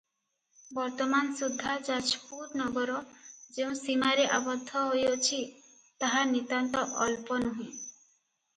ବର୍ତ୍ତମାନ ସୁଦ୍ଧା ଯାଜପୁର ନଗର ଯେଉଁ ସୀମାରେ ଆବଦ୍ଧ ହୋଇଅଛି ତାହା ନିତାନ୍ତ ଅଳ୍ପ ନୂହେ ।